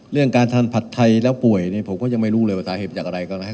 เรื่องการทานผัดไทยและป่วยผมก็ยังไม่รู้เลยว่าศาเฮียบจากอะไร